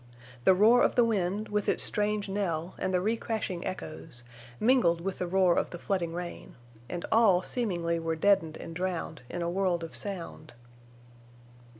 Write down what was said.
The roar of the wind, with its strange knell and the re crashing echoes, mingled with the roar of the flooding rain, and all seemingly were deadened and drowned in a world of sound.